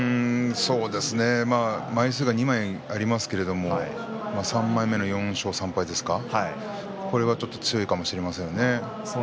枚数が２枚ありますけど３枚目の４勝３敗ですかこれがちょっと強いかもしれませんね。